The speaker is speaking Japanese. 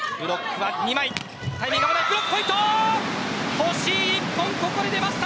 欲しい１本がここで出ました。